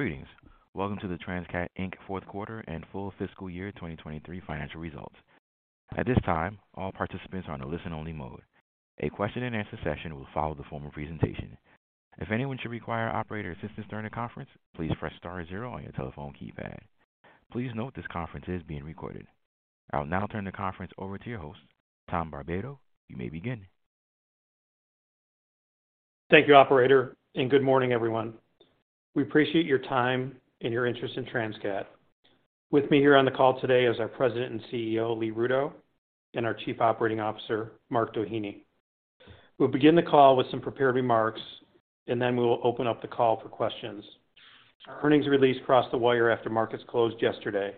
Greetings. Welcome to the Transcat Inc. Fourth Quarter and Full Fiscal Year 2023 Financial Results. At this time, all participants are on a listen-only mode. A question-and-answer session will follow the formal presentation. If anyone should require operator assistance during the conference, please press star zero on your telephone keypad. Please note this conference is being recorded. I will now turn the conference over to your host, Tom Barbato. You may begin. Thank you, operator, and good morning, everyone. We appreciate your time and your interest in Transcat. With me here on the call today is our President and CEO, Lee Rudow, and our Chief Operating Officer, Mark Doheny. We'll begin the call with some prepared remarks, and then we will open up the call for questions. Our earnings release crossed the wire after markets closed yesterday.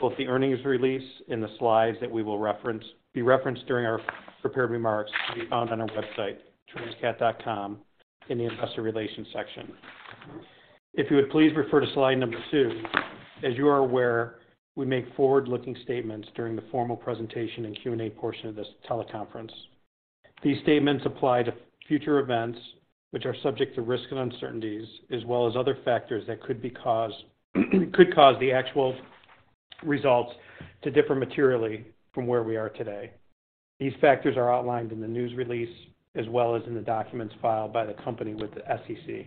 Both the earnings release and the slides that we will be referenced during our prepared remarks can be found on our website, transcat.com, in the Investor Relations section. If you would please refer to slide number two. As you are aware, we make forward-looking statements during the formal presentation and Q&A portion of this teleconference. These statements apply to future events, which are subject to risks and uncertainties, as well as other factors that could cause the actual results to differ materially from where we are today. These factors are outlined in the news release as well as in the documents filed by the company with the SEC.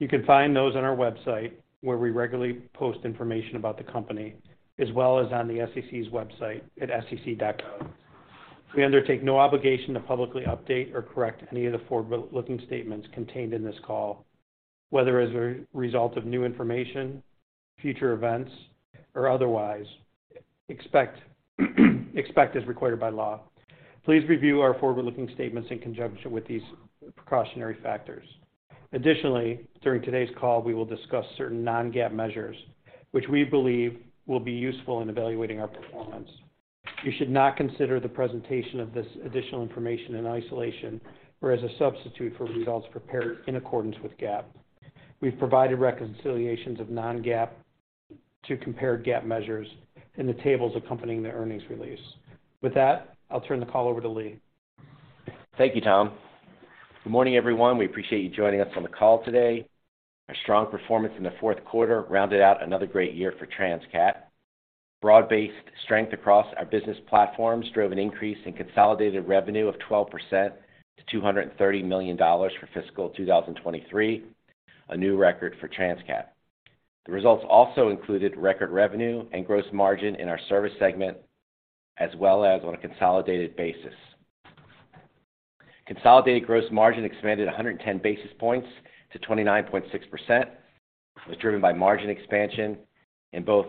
You can find those on our website, where we regularly post information about the company, as well as on the SEC's website at sec.gov. We undertake no obligation to publicly update or correct any of the forward-looking statements contained in this call, whether as a result of new information, future events, or otherwise, expect as required by law. Please review our forward-looking statements in conjunction with these precautionary factors. Additionally, during today's call, we will discuss certain non-GAAP measures which we believe will be useful in evaluating our performance. You should not consider the presentation of this additional information in isolation or as a substitute for results prepared in accordance with GAAP. We've provided reconciliations of non-GAAP to compare GAAP measures in the tables accompanying the earnings release. With that, I'll turn the call over to Lee. Thank you, Tom. Good morning, everyone. We appreciate you joining us on the call today. Our strong performance in the fourth quarter rounded out another great year for Transcat. Broad-based strength across our business platforms drove an increase in consolidated revenue of 12% to $230 million for fiscal 2023, a new record for Transcat. The results also included record revenue and gross margin in our service segment as well as on a consolidated basis. Consolidated gross margin expanded 110 basis points to 29.6%. It was driven by margin expansion in both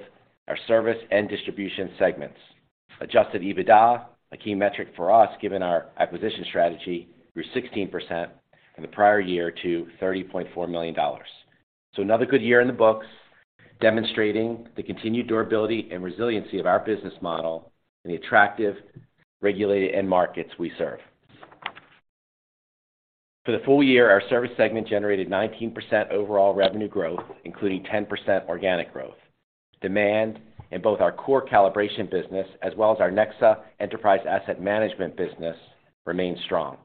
our service and distribution segments. Adjusted EBITDA, a key metric for us given our acquisition strategy, grew 16% from the prior year to $30.4 million. Another good year in the books demonstrating the continued durability and resiliency of our business model and the attractive regulated end markets we serve. For the full year, our service segment generated 19% overall revenue growth, including 10% organic growth. Demand in both our core calibration business as well as our NEXA enterprise asset management business remained strong.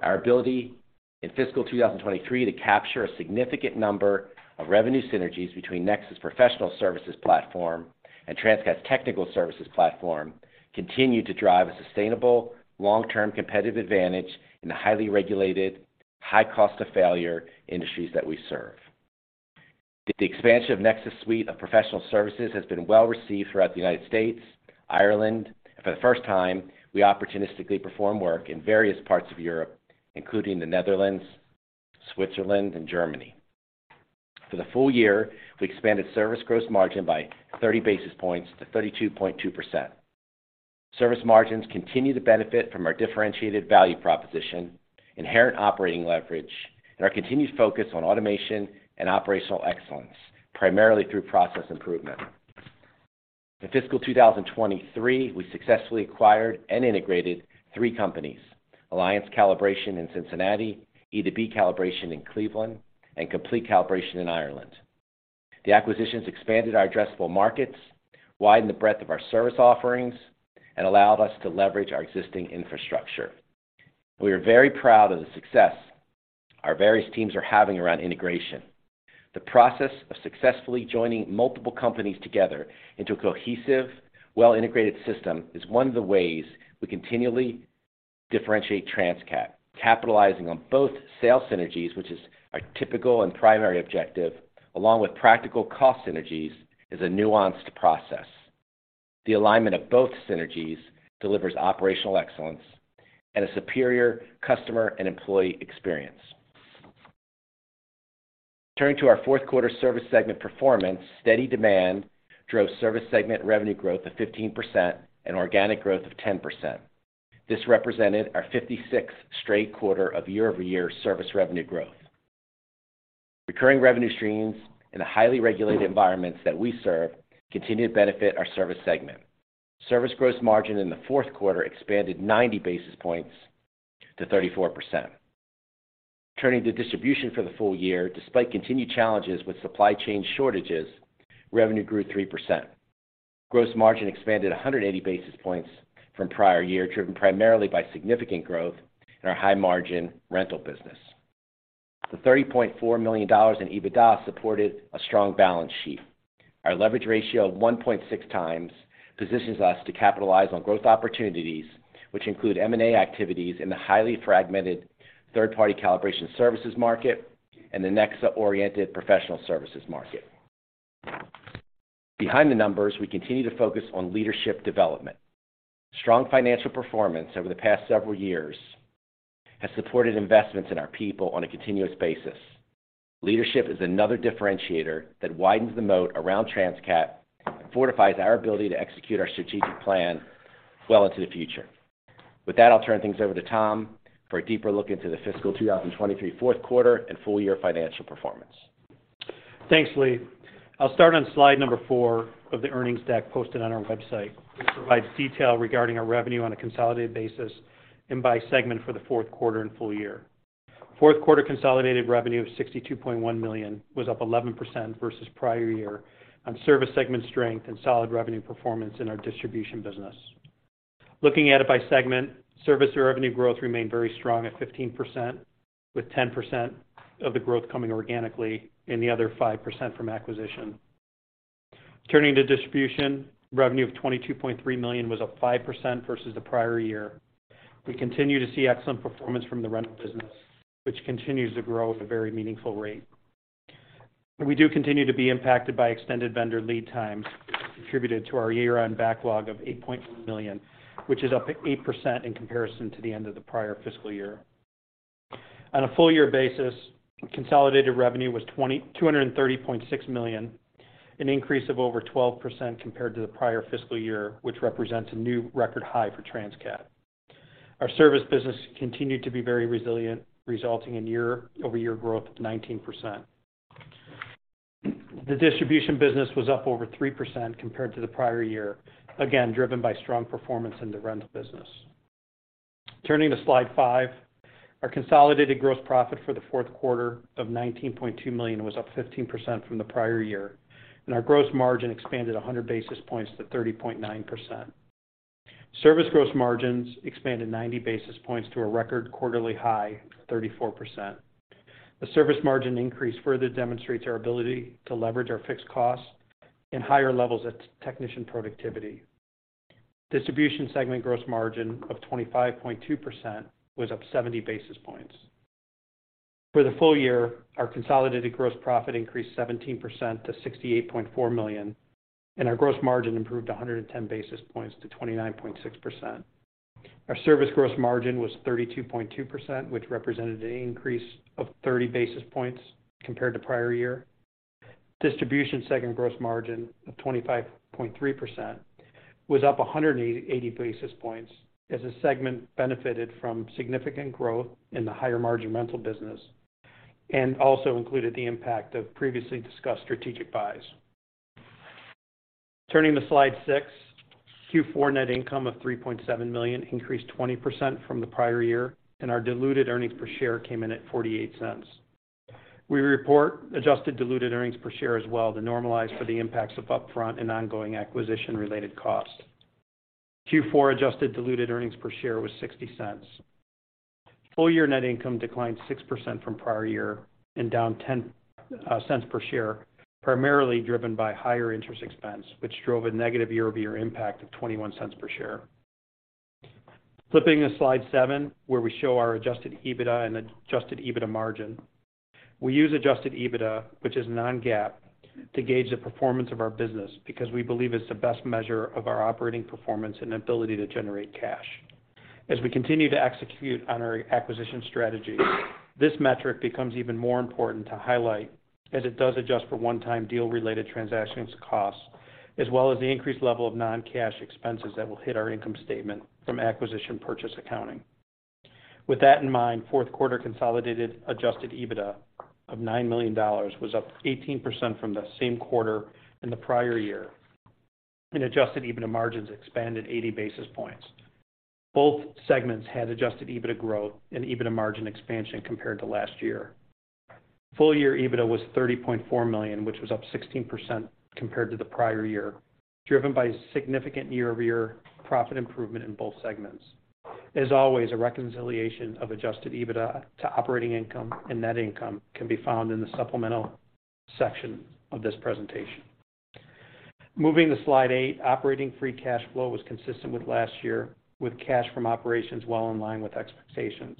Our ability in fiscal 2023 to capture a significant number of revenue synergies between NEXA's professional services platform and Transcat's technical services platform continued to drive a sustainable, long-term competitive advantage in the highly regulated, high cost of failure industries that we serve. The expansion of NEXA's suite of professional services has been well-received throughout the United States, Ireland, and for the first time, we opportunistically perform work in various parts of Europe, including the Netherlands, Switzerland, and Germany. For the full year, we expanded service gross margin by 30 basis points to 32.2%. Service margins continue to benefit from our differentiated value proposition, inherent operating leverage, and our continued focus on automation and operational excellence, primarily through process improvement. In fiscal 2023, we successfully acquired and integrated three companies, Alliance Calibration in Cincinnati, e2b Calibration in Cleveland, and Complete Calibration in Ireland. The acquisitions expanded our addressable markets, widened the breadth of our service offerings, and allowed us to leverage our existing infrastructure. We are very proud of the success our various teams are having around integration. The process of successfully joining multiple companies together into a cohesive, well-integrated system is one of the ways we continually differentiate Transcat. Capitalizing on both sales synergies, which is our typical and primary objective, along with practical cost synergies, is a nuanced process. The alignment of both synergies delivers operational excellence and a superior customer and employee experience. Turning to our fourth quarter service segment performance, steady demand drove service segment revenue growth of 15% and organic growth of 10%. This represented our 56th straight quarter of year-over-year service revenue growth. Recurring revenue streams in the highly regulated environments that we serve continue to benefit our service segment. Service gross margin in the fourth quarter expanded 90 basis points to 34%. Turning to distribution for the full year, despite continued challenges with supply chain shortages, revenue grew 3%. Gross margin expanded 180 basis points from prior year, driven primarily by significant growth in our high margin rental business. The $30.4 million in EBITDA supported a strong balance sheet. Our leverage ratio of 1.6 times positions us to capitalize on growth opportunities, which include M&A activities in the highly fragmented third-party calibration services market and the NEXA-oriented professional services market. Behind the numbers, we continue to focus on leadership development. Strong financial performance over the past several years has supported investments in our people on a continuous basis. Leadership is another differentiator that widens the moat around Transcat and fortifies our ability to execute our strategic plan well into the future. With that, I'll turn things over to Tom for a deeper look into the fiscal 2023 fourth quarter and full year financial performance. Thanks, Lee. I'll start on slide number four of the earnings deck posted on our website, which provides detail regarding our revenue on a consolidated basis and by segment for the fourth quarter and full year. Fourth quarter consolidated revenue of $62.1 million was up 11% versus prior year on service segment strength and solid revenue performance in our distribution business. Looking at it by segment, service revenue growth remained very strong at 15%, with 10% of the growth coming organically and the other 5% from acquisition. Turning to distribution, revenue of $22.3 million was up 5% versus the prior year. We continue to see excellent performance from the rental business, which continues to grow at a very meaningful rate. We do continue to be impacted by extended vendor lead times, which contributed to our year-end backlog of $8.4 million, which is up 8% in comparison to the end of the prior fiscal year. On a full year basis, consolidated revenue was $230.6 million, an increase of over 12% compared to the prior fiscal year, which represents a new record high for Transcat. Our service business continued to be very resilient, resulting in year-over-year growth of 19%. The distribution business was up over 3% compared to the prior year, again driven by strong performance in the rental business. Turning to slide five. Our consolidated gross profit for the fourth quarter of $19.2 million was up 15% from the prior year, and our gross margin expanded 100 basis points to 30.9%. Service gross margins expanded 90 basis points to a record quarterly high of 34%. The service margin increase further demonstrates our ability to leverage our fixed costs and higher levels of technician productivity. Distribution segment gross margin of 25.2% was up 70 basis points. For the full year, our consolidated gross profit increased 17% to $68.4 million, and our gross margin improved 110 basis points to 29.6%. Our service gross margin was 32.2%, which represented an increase of 30 basis points compared to prior year. Distribution segment gross margin of 25.3% was up 180 basis points as the segment benefited from significant growth in the higher margin rental business and also included the impact of previously discussed strategic buys. Turning to slide six. Q4 net income of $3.7 million increased 20% from the prior year, our diluted earnings per share came in at $0.48. We report adjusted diluted earnings per share as well to normalize for the impacts of upfront and ongoing acquisition-related costs. Q4 adjusted diluted earnings per share was $0.60. Full year net income declined 6% from prior year and down $0.10 per share, primarily driven by higher interest expense, which drove a negative year-over-year impact of $0.21 per share. Flipping to slide seven, where we show our adjusted EBITDA and adjusted EBITDA margin. We use adjusted EBITDA, which is non-GAAP, to gauge the performance of our business because we believe it's the best measure of our operating performance and ability to generate cash. As we continue to execute on our acquisition strategy, this metric becomes even more important to highlight as it does adjust for one-time deal-related transactions costs, as well as the increased level of non-cash expenses that will hit our income statement from acquisition purchase accounting. With that in mind, fourth quarter consolidated adjusted EBITDA of $9 million was up 18% from the same quarter in the prior year, and adjusted EBITDA margins expanded 80 basis points. Both segments had adjusted EBITDA growth and EBITDA margin expansion compared to last year. Full year EBITDA was $30.4 million, which was up 16% compared to the prior year, driven by significant year-over-year profit improvement in both segments. As always, a reconciliation of adjusted EBITDA to operating income and net income can be found in the supplemental section of this presentation. Moving to slide eight, operating free cash flow was consistent with last year, with cash from operations well in line with expectations.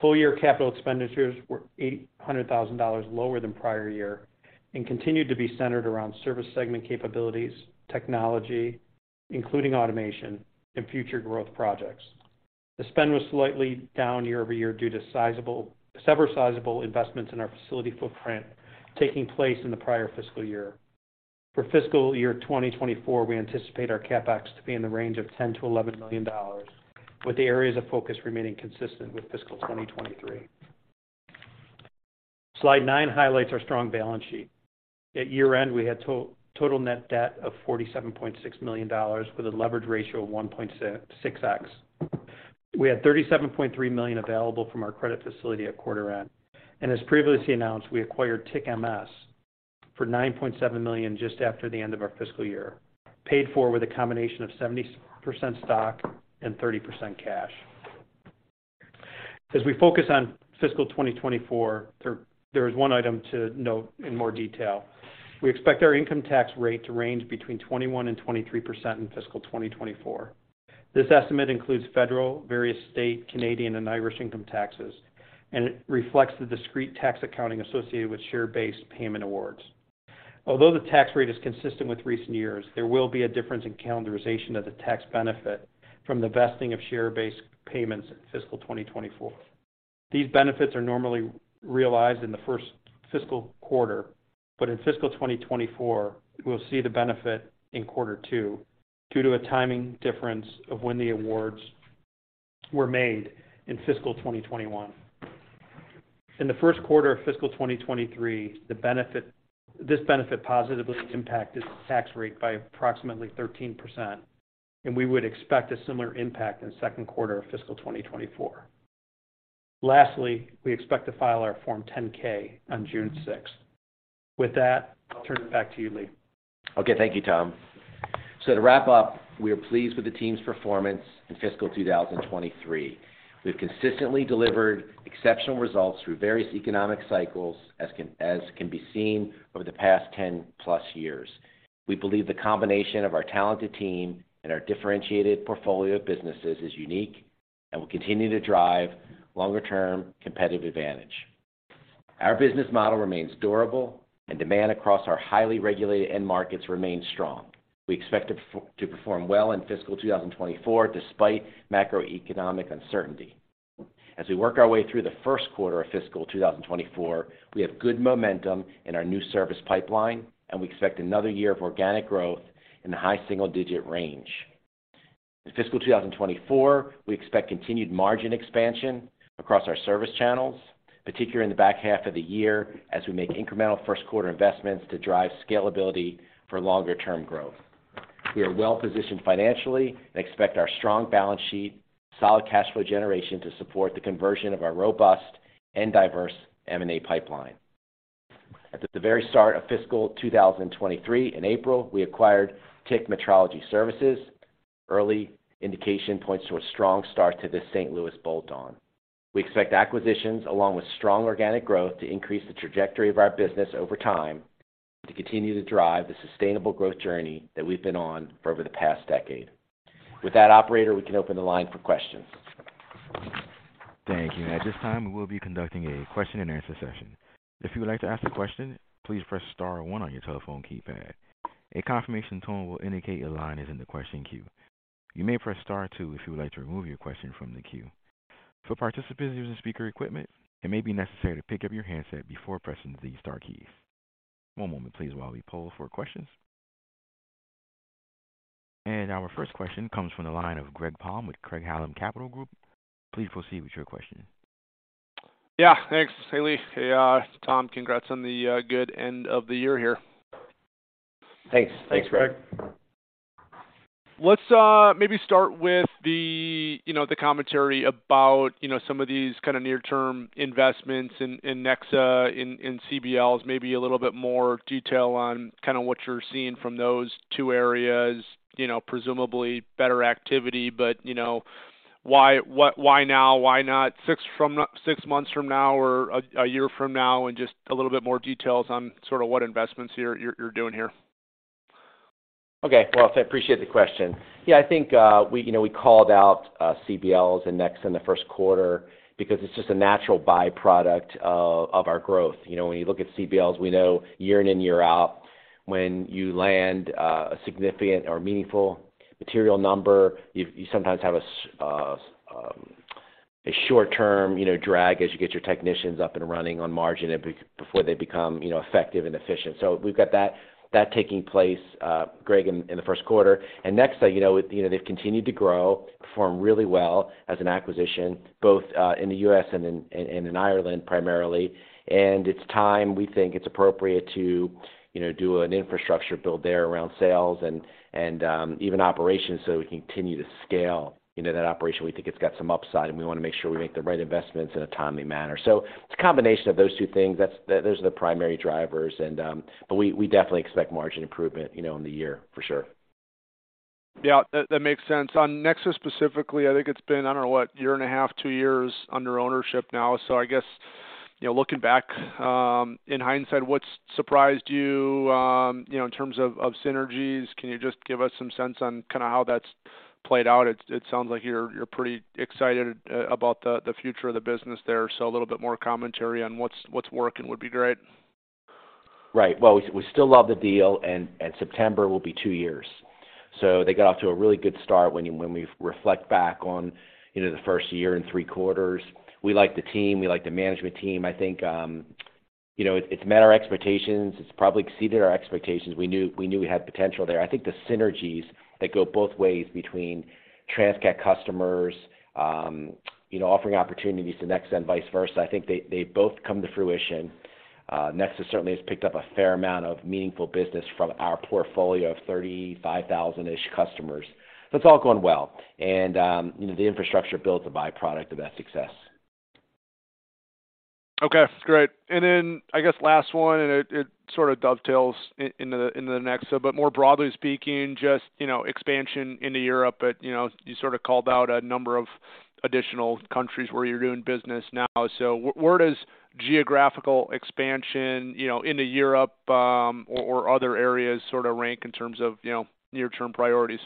Full year capital expenditures were $800,000 lower than prior year and continued to be centered around service segment capabilities, technology, including automation and future growth projects. The spend was slightly down year-over-year due to several sizable investments in our facility footprint taking place in the prior fiscal year. For fiscal year 2024, we anticipate our CapEx to be in the range of $10 million-$11 million, with the areas of focus remaining consistent with fiscal 2023. Slide nine highlights our strong balance sheet. At year-end, we had total net debt of $47.6 million, with a leverage ratio of 1.6x. We had $37.3 million available from our credit facility at quarter end. As previously announced, we acquired TIC-MS for $9.7 million just after the end of our fiscal year, paid for with a combination of 70% stock and 30% cash. As we focus on fiscal 2024, there is one item to note in more detail. We expect our income tax rate to range between 21% and 23% in fiscal 2024. This estimate includes federal, various state, Canadian and Irish income taxes, and it reflects the discrete tax accounting associated with share-based payment awards. Although the tax rate is consistent with recent years, there will be a difference in calendarization of the tax benefit from the vesting of share-based payments in fiscal 2024. These benefits are normally realized in the first fiscal quarter. In fiscal 2024, we'll see the benefit in quarter two due to a timing difference of when the awards were made in fiscal 2021. In the first quarter of fiscal 2023, this benefit positively impacted the tax rate by approximately 13%. We would expect a similar impact in the second quarter of fiscal 2024. Lastly, we expect to file our Form 10-K on June 6th. With that, I'll turn it back to you, Lee. Okay. Thank you, Tom. To wrap up, we are pleased with the team's performance in fiscal 2023. We've consistently delivered exceptional results through various economic cycles as can be seen over the past 10+ years. We believe the combination of our talented team and our differentiated portfolio of businesses is unique and will continue to drive longer term competitive advantage. Our business model remains durable and demand across our highly regulated end markets remains strong. We expect it to perform well in fiscal 2024 despite macroeconomic uncertainty. As we work our way through the first quarter of fiscal 2024, we have good momentum in our new service pipeline, and we expect another year of organic growth in the high single digit range. In fiscal 2024, we expect continued margin expansion across our service channels, particularly in the back half of the year as we make incremental first quarter investments to drive scalability for longer term growth. We are well positioned financially and expect our strong balance sheet, solid cash flow generation to support the conversion of our robust and diverse M&A pipeline. At the very start of fiscal 2023, in April, we acquired TIC Metrology Services. Early indication points to a strong start to this St. Louis bolt-on. We expect acquisitions along with strong organic growth to increase the trajectory of our business over time to continue to drive the sustainable growth journey that we've been on for over the past decade. With that operator, we can open the line for questions. Thank you. At this time, we will be conducting a question and answer session. If you would like to ask a question, please press star one on your telephone keypad. A confirmation tone will indicate your line is in the question queue. You may press star two if you would like to remove your question from the queue. For participants using speaker equipment, it may be necessary to pick up your handset before pressing the star keys. One moment please while we poll for questions. Our first question comes from the line of Greg Palm with Craig-Hallum Capital Group. Please proceed with your question. Yeah, thanks, Lee. Hey, Tom, congrats on the good end of the year here. Thanks. Thanks, Greg. Let's, maybe start with the, you know, the commentary about, you know, some of these kind of near-term investments in NEXA, in CBLs, maybe a little bit more detail on kind of what you're seeing from those two areas. You know, presumably better activity, but you know, why now, why not six months from now or a year from now? Just a little bit more details on sort of what investments you're doing here? Okay. Well, I appreciate the question. Yeah, I think, we, you know, we called out CBLs and NEXA in the first quarter because it's just a natural byproduct of our growth. You know, when you look at CBLs, we know year in and year out, when you land, a significant or meaningful material number, you sometimes have a short term, you know, drag as you get your technicians up and running on margin before they become, you know, effective and efficient. We've got that taking place, Greg, in the first quarter. NEXA, you know, they've continued to grow, perform really well as an acquisition both, in the U.S. and in Ireland primarily. It's time we think it's appropriate to, you know, do an infrastructure build there around sales and, even operations so we can continue to scale, you know, that operation. We think it's got some upside, and we wanna make sure we make the right investments in a timely manner. It's a combination of those two things, those are the primary drivers and, but we definitely expect margin improvement, you know, in the year for sure. Yeah. That makes sense. On NEXA specifically, I think it's been, I don't know, what? A year and a half, two years under ownership now. I guess, you know, looking back, in hindsight, what's surprised you know, in terms of synergies? Can you just give us some sense on kinda how that's played out? It sounds like you're pretty excited about the future of the business there. A little bit more commentary on what's working would be great. Right. Well, we still love the deal and September will be two years. They got off to a really good start when we reflect back on, you know, the first year and three quarters. We like the team, we like the management team. I think, you know, it's met our expectations. It's probably exceeded our expectations. We knew we had potential there. I think the synergies that go both ways between Transcat customers, you know, offering opportunities to NEXA and vice versa, I think they both come to fruition. NEXA certainly has picked up a fair amount of meaningful business from our portfolio of 35,000-ish customers. It's all going well. You know, the infrastructure built a byproduct of that success. Okay, great. I guess last one, and it sort of dovetails into the, into the NEXA. More broadly speaking, just, you know, expansion into Europe. You know, you sort of called out a number of additional countries where you're doing business now. Where does geographical expansion, you know, into Europe, or other areas sort of rank in terms of, you know, near-term priorities?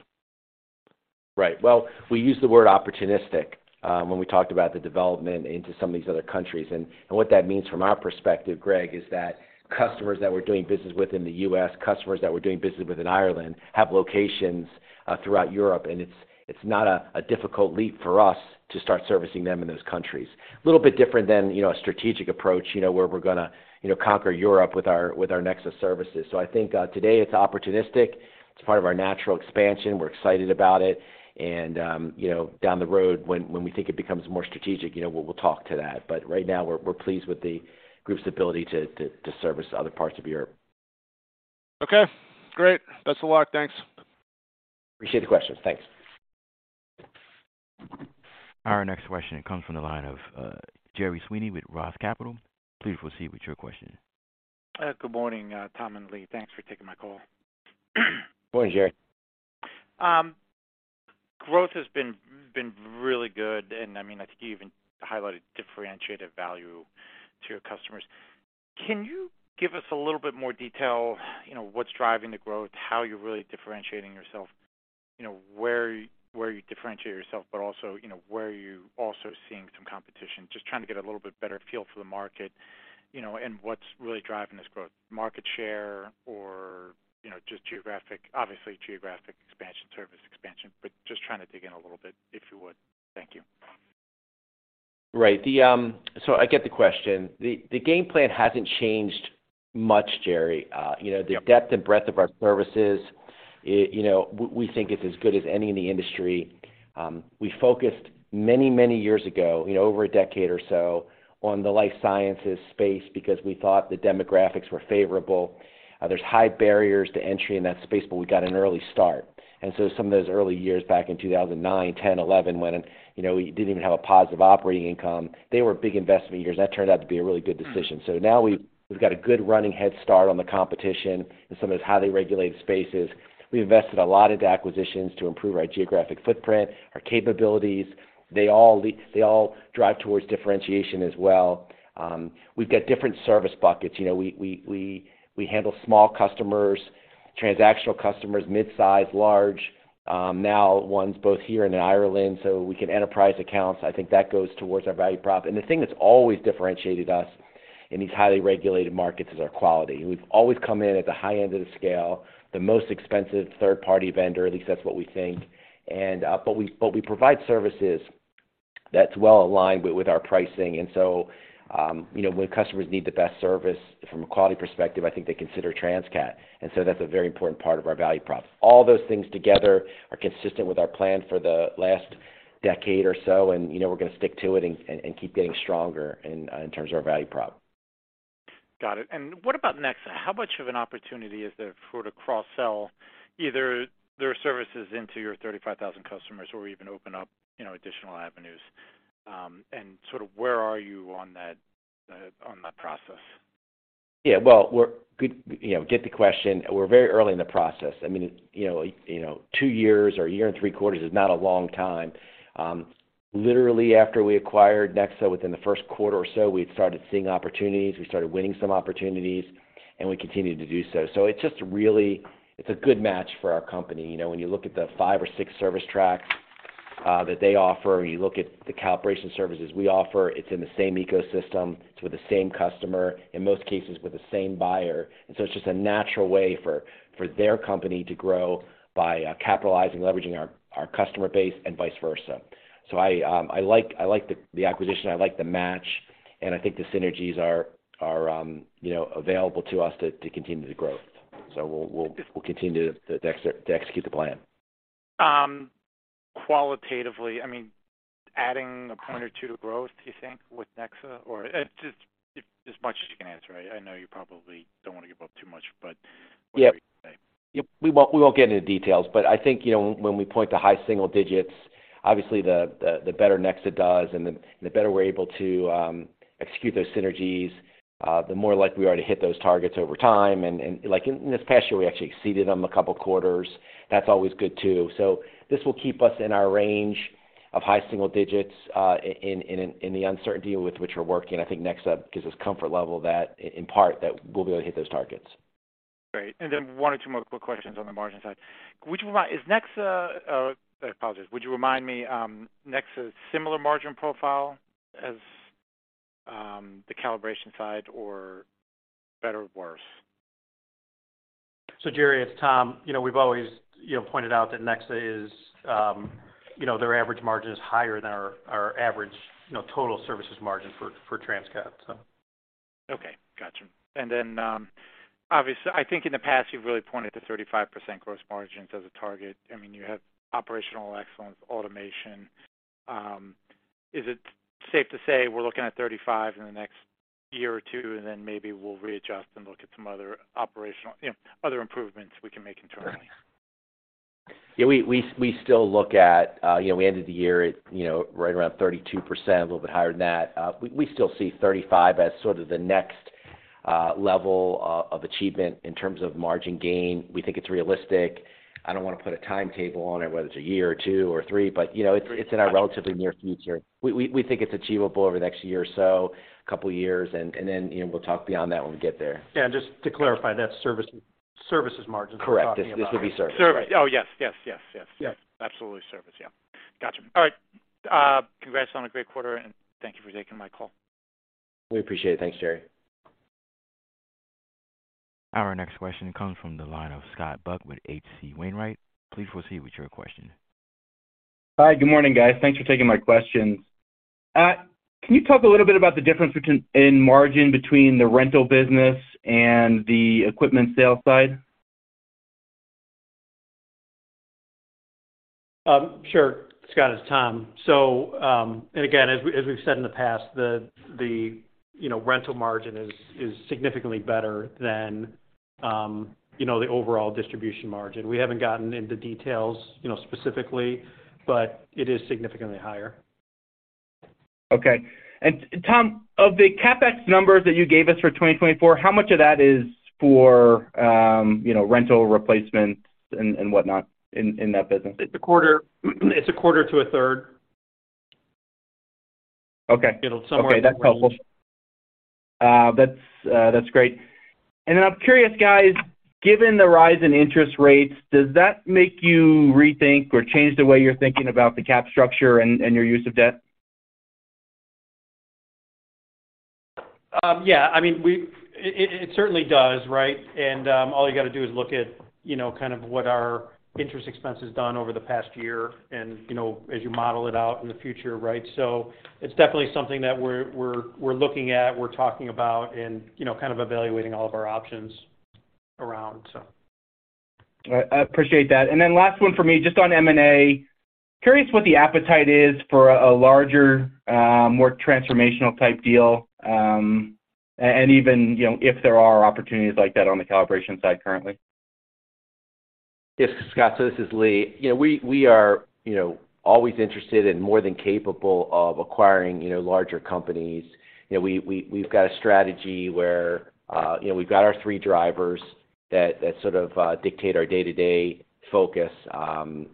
Right. Well, we use the word opportunistic, when we talked about the development into some of these other countries. What that means from our perspective, Greg, is that customers that we're doing business with in the U.S., customers that we're doing business with in Ireland, have locations, throughout Europe. It's not a difficult leap for us to start servicing them in those countries. A little bit different than, you know, a strategic approach, you know, where we're gonna, you know, conquer Europe with our, with our NEXA services. I think, today it's opportunistic. It's part of our natural expansion. We're excited about it. You know, down the road when we think it becomes more strategic, you know, we'll talk to that. Right now we're pleased with the group's ability to service other parts of Europe. Okay, great. Thanks a lot. Thanks. Appreciate the questions. Thanks. Our next question comes from the line of, Gerry Sweeney with Roth Capital. Please proceed with your question. Good morning, Tom and Lee. Thanks for taking my call. Morning, Gerry. Growth has been really good, I mean, I think you even highlighted differentiated value to your customers. Can you give us a little bit more detail, you know, what's driving the growth, how you're really differentiating yourself? You know, where you differentiate yourself, also, you know, where are you also seeing some competition? Just trying to get a little bit better feel for the market, you know, what's really driving this growth, market share or, you know, just obviously geographic expansion, service expansion. Just trying to dig in a little bit, if you would. Thank you. Right. I get the question. The game plan hasn't changed much, Gerry. you know. Yep. The depth and breadth of our services, you know, we think it's as good as any in the industry. We focused many, many years ago, you know, over a decade or so, on the life sciences space because we thought the demographics were favorable. There's high barriers to entry in that space, but we got an early start. Some of those early years back in 2009, 2010, 2011, when, you know, we didn't even have a positive operating income, they were big investment years. That turned out to be a really good decision. Now we've got a good running head start on the competition in some of those highly regulated spaces. We invested a lot into acquisitions to improve our geographic footprint, our capabilities. They all drive towards differentiation as well. We've got different service buckets. You know, we handle small customers, transactional customers, mid-size, large, now ones both here and in Ireland, so we can enterprise accounts. I think that goes towards our value prop. The thing that's always differentiated us in these highly regulated markets is our quality. We've always come in at the high end of the scale, the most expensive third-party vendor. At least that's what we think. But we provide services that's well aligned with our pricing. So, you know, when customers need the best service from a quality perspective, I think they consider Transcat. That's a very important part of our value prop. All those things together are consistent with our plan for the last decade or so. You know, we're gonna stick to it and keep getting stronger in terms of our value prop. Got it. What about NEXA? How much of an opportunity is there for to cross-sell either their services into your 35,000 customers or even open up, you know, additional avenues? Sort of where are you on that process? Yeah, well, good, you know, get the question. We're very early in the process. I mean, you know, two years or one year and three quarters is not a long time. Literally after we acquired NEXA, within the first quarter or so, we had started seeing opportunities, we started winning some opportunities, we continued to do so. It's just really, it's a good match for our company. You know, when you look at the five or six service tracks that they offer, you look at the calibration services we offer, it's in the same ecosystem, it's with the same customer, in most cases with the same buyer. It's just a natural way for their company to grow by capitalizing, leveraging our customer base and vice versa. I like the acquisition, I like the match, and I think the synergies are, you know, available to us to continue the growth. We'll continue to execute the plan. Qualitatively, I mean, adding a point or two to growth, do you think, with NEXA? Or just as much as you can answer. I know you probably don't wanna give up too much. Yeah. What do you say? Yep. We won't get into details, but I think, you know, when we point to high single digits, obviously the better NEXA does and the better we're able to execute those synergies, the more likely we are to hit those targets over time. Like in this past year, we actually exceeded them a couple quarters. That's always good too. This will keep us in our range of high single digits in the uncertainty with which we're working. I think NEXA gives us comfort level that, in part, that we'll be able to hit those targets. Great. One or two more quick questions on the margin side. Would you remind me, NEXA's similar margin profile as the calibration side or better or worse? Gerry, it's Tom. You know, we've always, you know, pointed out that NEXA is, you know, their average margin is higher than our average, you know, total services margin for Transcat, so. Okay, gotcha. Then, obviously, I think in the past, you've really pointed to 35% gross margins as a target. I mean, you have operational excellence, automation. Is it safe to say we're looking at 35 in the next year or two, and then maybe we'll readjust and look at some other operational, you know, other improvements we can make internally? Yeah. We still look at, you know, we ended the year at, you know, right around 32%, a little bit higher than that. We still see 35% as sort of the next level of achievement in terms of margin gain. We think it's realistic. I don't wanna put a timetable on it, whether it's a year or two or three, you know, it's- Three is fine.... it's in our relatively near future. We think it's achievable over the next year or so, couple years, and then, you know, we'll talk beyond that when we get there. Yeah. Just to clarify, that's service, services margins we're talking about, right? Correct. This would be service. Oh, yes. Yes. Yes. Yes. Yeah. Yes. Absolutely, service. Yeah. Gotcha. All right. Congrats on a great quarter, and thank you for taking my call. We appreciate it. Thanks, Gerry. Our next question comes from the line of Scott Buck with H.C. Wainwright. Please proceed with your question. Hi. Good morning, guys. Thanks for taking my questions. Can you talk a little bit about the difference in margin between the rental business and the equipment sales side? Sure, Scott. It's Tom. And again, as we've said in the past, the, you know, rental margin is significantly better than, you know, the overall distribution margin. We haven't gotten into details, you know, specifically, but it is significantly higher. Okay. Tom, of the CapEx numbers that you gave us for 2024, how much of that is for, you know, rental replacements and whatnot in that business? It's a quarter, it's a quarter to a third. Okay. It'll somewhere in that range. Okay. That's helpful. That's great. I'm curious, guys, given the rise in interest rates, does that make you rethink or change the way you're thinking about the cap structure and your use of debt? Yeah, I mean, it certainly does, right? All you gotta do is look at, you know, kind of what our interest expense has done over the past year and, you know, as you model it out in the future, right? It's definitely something that we're looking at, we're talking about, and, you know, kind of evaluating all of our options around. I appreciate that. Last one for me, just on M&A. Curious what the appetite is for a larger, more transformational type deal, and even, you know, if there are opportunities like that on the calibration side currently. Yes. Scott, this is Lee. You know, we are, you know, always interested and more than capable of acquiring, you know, larger companies. You know, we've got a strategy where, you know, we've got our three drivers that sort of dictate our day-to-day focus,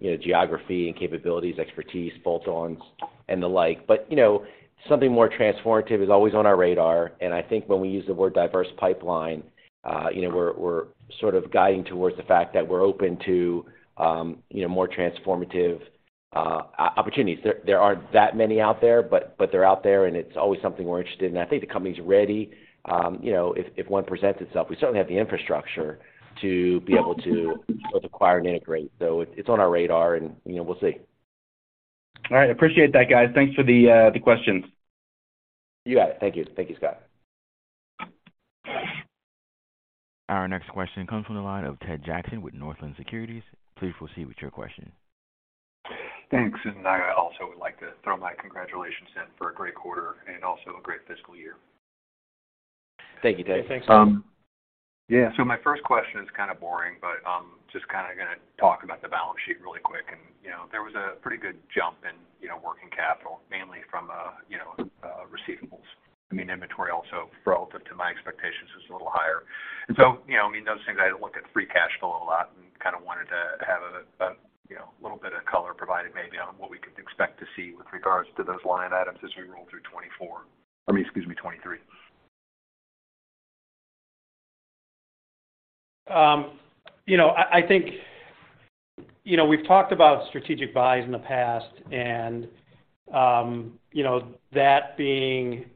you know, geography and capabilities, expertise, bolt-ons, and the like. You know, something more transformative is always on our radar, and I think when we use the word diverse pipeline, you know, we're sort of guiding towards the fact that we're open to, you know, more transformative opportunities. There aren't that many out there, but they're out there, and it's always something we're interested in. I think the company's ready, you know, if one presents itself. We certainly have the infrastructure to be able to both acquire and integrate. It's on our radar and, you know, we'll see. All right. Appreciate that, guys. Thanks for the questions. You got it. Thank you. Thank you, Scott. Our next question comes from the line of Ted Jackson with Northland Securities. Please proceed with your question. Thanks. I also would like to throw my congratulations in for a great quarter and also a great fiscal year. Thank you, Ted. Yeah. Thanks, Ted. Um- Yeah. My first question is kind of boring, but, just kinda gonna talk about the balance sheet really quick. You know, there was a pretty good jump in, you know, working capital, mainly from, you know, receivables. I mean, inventory also, relative to my expectations, was a little higher. You know, I mean, those things, I look at free cash flow a lot and kind of wanted to have a, you know, little bit of color provided maybe on what we could expect to see with regards to those line items as we roll through 2024. I mean, excuse me, 2023. You know, I think. You know, we've talked about strategic buys in the past and, you know, that being,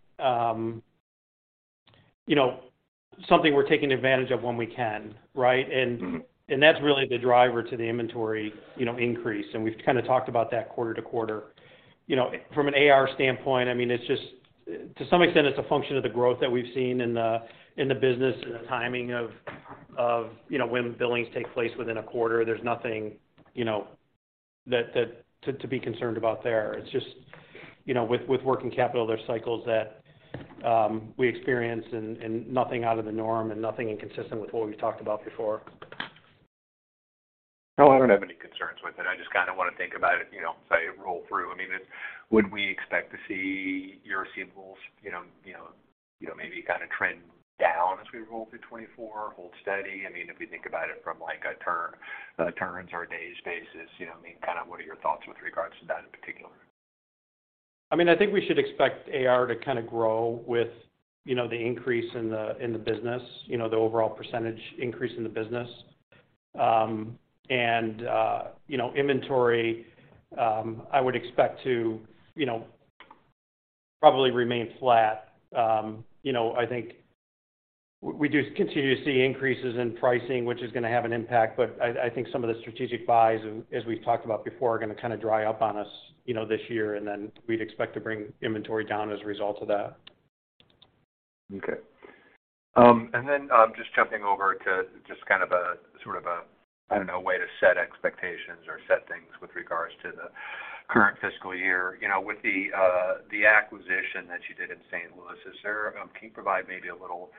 you know, something we're taking advantage of when we can, right? That's really the driver to the inventory, you know, increase, and we've kind of talked about that quarter-to-quarter. You know, from an AR standpoint, I mean, it's just, to some extent, it's a function of the growth that we've seen in the, in the business and the timing of, you know, when billings take place within a quarter. There's nothing, you know, that to be concerned about there. It's just, you know, with working capital, there's cycles that we experience and nothing out of the norm and nothing inconsistent with what we've talked about before. No, I don't have any concerns with it. I just kinda wanna think about it, you know, as I roll through. I mean, would we expect to see your receivables, you know, maybe kinda trend down as we roll through 2024? Hold steady? I mean, if you think about it from, like, a turn, turns or days basis, you know what I mean? Kind of what are your thoughts with regards to that in particular? I mean, I think we should expect AR to kinda grow with, you know, the increase in the, in the business, you know, the overall percentage increase in the business. You know, inventory, I would expect to, you know, probably remain flat. You know, I think we do continue to see increases in pricing, which is gonna have an impact, but I think some of the strategic buys, as we've talked about before, are gonna kinda dry up on us, you know, this year, and then we'd expect to bring inventory down as a result of that. Okay. Just jumping over to just kind of a, sort of a, I don't know, way to set expectations or set things with regards to the current fiscal year. You know, with the acquisition that you did in St. Louis, is there? Can you provide maybe a little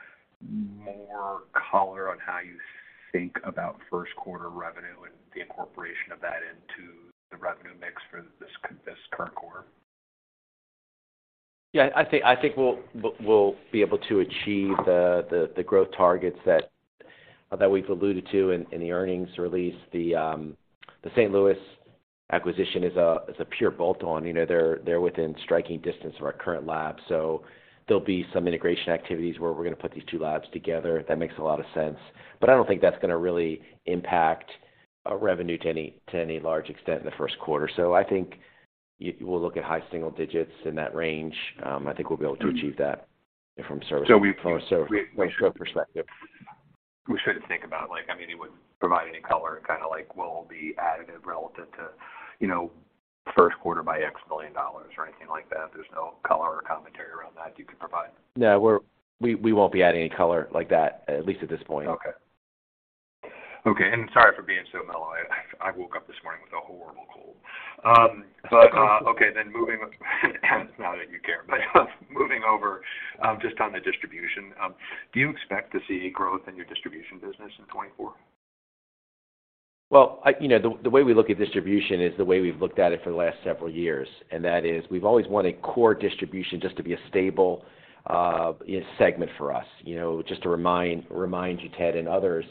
more color on how you think about first quarter revenue and the incorporation of that into the revenue mix for this current quarter? Yeah, I think we'll be able to achieve the growth targets that we've alluded to in the earnings release. The St. Louis acquisition is a pure bolt-on. You know, they're within striking distance of our current lab, so there'll be some integration activities where we're gonna put these two labs together. That makes a lot of sense. I don't think that's gonna really impact our revenue to any large extent in the first quarter. I think we'll look at high single digits in that range. I think we'll be able to achieve that from a service- So we- From a service perspective. We shouldn't think about, like I mean, you wouldn't provide any color, kinda like will be additive relevant to, you know, first quarter by X million dollars or anything like that? There's no color or commentary around that you can provide? No, We won't be adding any color like that, at least at this point. Okay. Okay, sorry for being so mellow. I woke up this morning with a horrible cold. Not that you care. Moving over, just on the distribution. Do you expect to see growth in your distribution business in 2024? Well, you know, the way we look at distribution is the way we've looked at it for the last several years, and that is we've always wanted core distribution just to be a stable segment for us. You know, just to remind you, Ted, and others,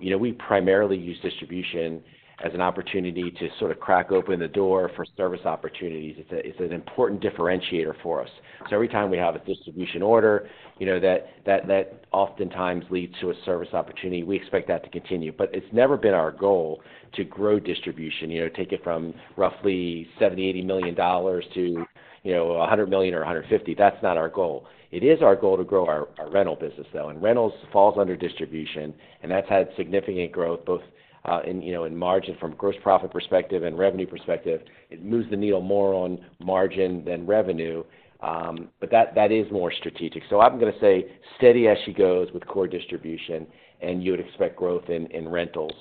you know, we primarily use distribution as an opportunity to sort of crack open the door for service opportunities. It's an important differentiator for us. Every time we have a distribution order, you know, that oftentimes leads to a service opportunity. We expect that to continue. It's never been our goal to grow distribution. You know, take it from roughly $70 million-$80 million to, you know, $100 million or $150 million. That's not our goal. It is our goal to grow our rental business, though, and rentals falls under distribution, and that's had significant growth both, in, you know, in margin from gross profit perspective and revenue perspective. It moves the needle more on margin than revenue, but that is more strategic. I'm gonna say steady as she goes with core distribution, and you would expect growth in rentals,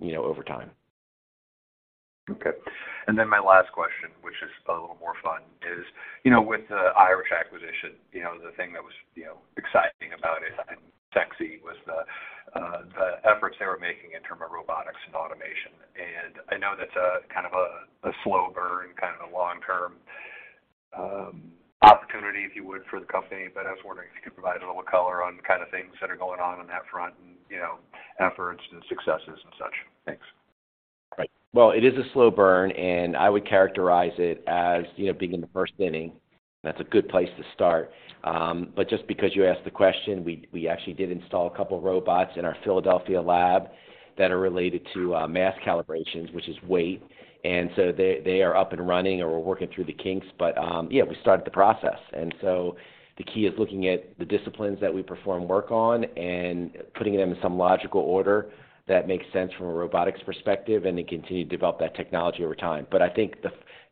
you know, over time. Okay. My last question, which is a little more fun, is, you know, with the Irish acquisition, you know, the thing that was, you know, exciting about it and sexy was the efforts they were making in terms of robotics and automation. I know that's a kind of a slow burn, kind of a long-term opportunity, if you would, for the company, but I was wondering if you could provide a little color on kind of things that are going on on that front and, you know, efforts and successes and such. Thanks. Right. Well, it is a slow burn, and I would characterize it as, you know, being in the first inning. That's a good place to start. just because you asked the question, we actually did install a couple robots in our Philadelphia lab that are related to mass calibrations, which is weight. they are up and running, and we're working through the kinks. yeah, we started the process. the key is looking at the disciplines that we perform work on and putting them in some logical order that makes sense from a robotics perspective, and then continue to develop that technology over time. I think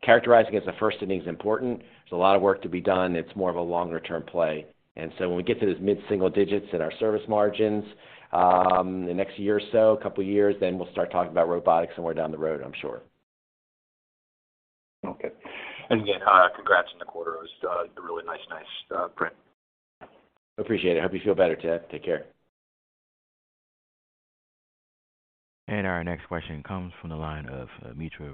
characterizing it as the first inning is important. There's a lot of work to be done. It's more of a longer-term play. When we get to those mid-single digits in our service margins, the next year or so, couple years, then we'll start talking about robotics somewhere down the road, I'm sure. Okay. Again, congrats on the quarter. It was a really nice print. Appreciate it. Hope you feel better, Ted. Take care. Our next question comes from the line of Mitra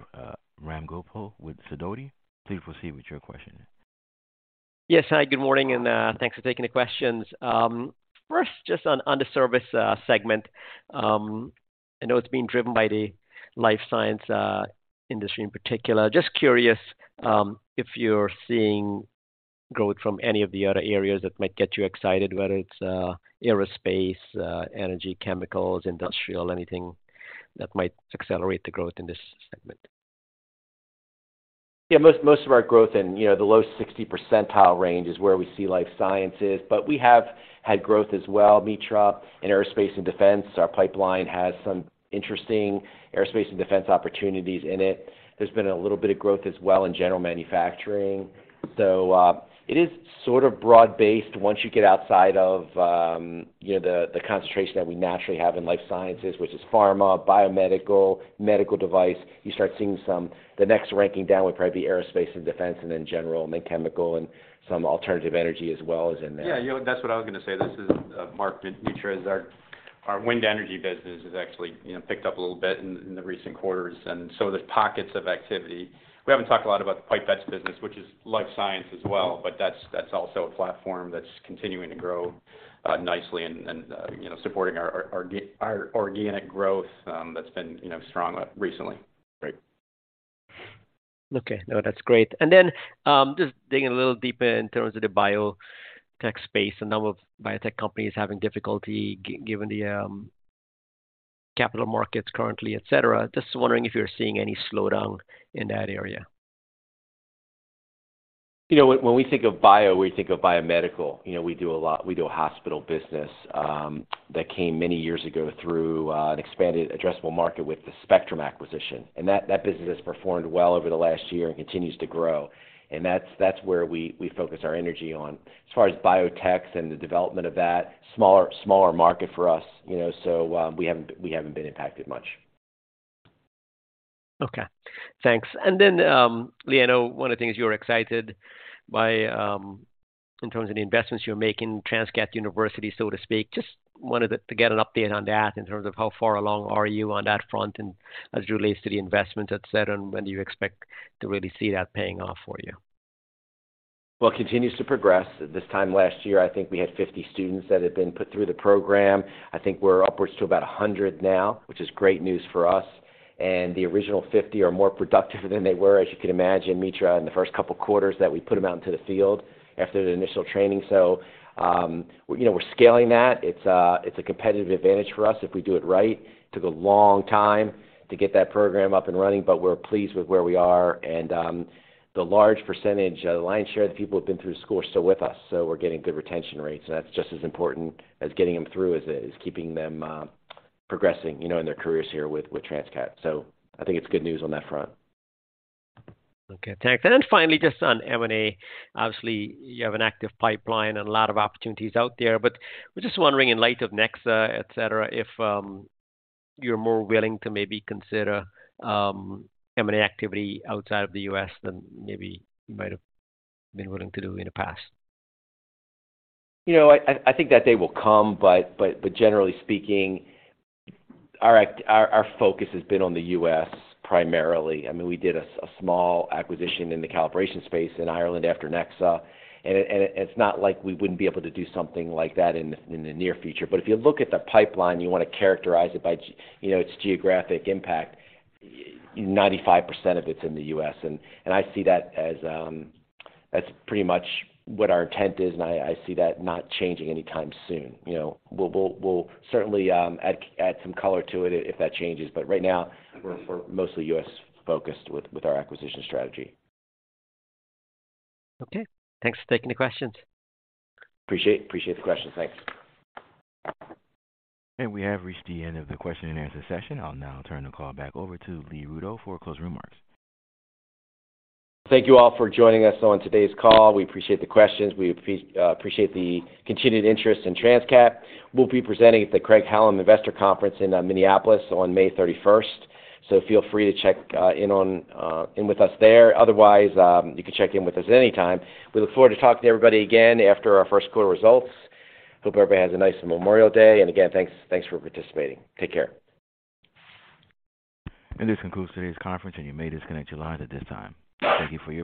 Ramgopal with Sidoti. Please proceed with your question. Yes. Hi, good morning, and thanks for taking the questions. First, just on the service segment. I know it's being driven by the life science industry in particular. Just curious, if you're seeing growth from any of the other areas that might get you excited, whether it's aerospace, energy, chemicals, industrial, anything that might accelerate the growth in this segment. Yeah. Most of our growth in, you know, the low 60% range is where we see life sciences, but we have had growth as well, Mitra, in aerospace and defense. Our pipeline has some interesting aerospace and defense opportunities in it. There's been a little bit of growth as well in general manufacturing. It is sort of broad-based once you get outside of, you know, the concentration that we naturally have in life sciences, which is pharma, biomedical, medical device. The next ranking down would probably be aerospace and defense and then general and then chemical and some alternative energy as well is in there. Yeah, you know, that's what I was gonna say. This is Mark. Mitra, our wind energy business has actually, you know, picked up a little bit in the recent quarters. There's pockets of activity. We haven't talked a lot about the pipettes business, which is life science as well, but that's also a platform that's continuing to grow nicely and, you know, supporting our organic growth that's been, you know, strong recently. Great. Okay. No, that's great. Just digging a little deeper in terms of the biotech space. A number of biotech companies having difficulty given the capital markets currently, et cetera. Just wondering if you're seeing any slowdown in that area? You know, when we think of bio, we think of biomedical. You know, we do a lot. We do a hospital business that came many years ago through an expanded addressable market with the Spectrum acquisition, and that business has performed well over the last year and continues to grow. That's where we focus our energy on. As far as biotechs and the development of that, smaller market for us, you know, so we haven't been impacted much. Okay. Thanks. Lee, I know one of the things you were excited by, in terms of the investments you're making, Transcat University, so to speak, just wanted to get an update on that in terms of how far along are you on that front and as it relates to the investment, et cetera, and when do you expect to really see that paying off for you? It continues to progress. This time last year, I think we had 50 students that had been put through the program. I think we're upwards to about 100 now, which is great news for us. The original 50 are more productive than they were, as you can imagine, Mitra, in the first couple of quarters that we put them out into the field after the initial training. You know, we're scaling that. It's a competitive advantage for us if we do it right. Took a long time to get that program up and running, but we're pleased with where we are. The large percentage, the lion's share of the people who've been through school are still with us, so we're getting good retention rates, and that's just as important as getting them through as keeping them progressing, you know, in their careers here with Transcat. I think it's good news on that front. Okay, thanks. Finally, just on M&A. Obviously, you have an active pipeline and a lot of opportunities out there, but we're just wondering, in light of NEXA, et cetera, if you're more willing to maybe consider M&A activity outside of the U.S. than maybe you might have been willing to do in the past. You know, I think that day will come, but generally speaking, our focus has been on the U.S. primarily. I mean, we did a small acquisition in the calibration space in Ireland after NEXA, and it's not like we wouldn't be able to do something like that in the, in the near future. If you look at the pipeline, you wanna characterize it by you know, its geographic impact, 95% of it's in the U.S. I see that as that's pretty much what our intent is, and I see that not changing anytime soon. You know, we'll certainly add some color to it if that changes, but right now we're mostly U.S. focused with our acquisition strategy. Okay. Thanks for taking the questions. Appreciate. Appreciate the questions. Thanks. We have reached the end of the question and answer session. I'll now turn the call back over to Lee Rudow for closing remarks. Thank you all for joining us on today's call. We appreciate the questions. We appreciate the continued interest in Transcat. We'll be presenting at the Craig-Hallum Investor Conference in Minneapolis on May 31st. Feel free to check in on in with us there. Otherwise, you can check in with us anytime. We look forward to talking to everybody again after our first quarter results. Hope everybody has a nice Memorial Day. Again, thanks for participating. Take care. This concludes today's conference, and you may disconnect your lines at this time. Thank you for your participation.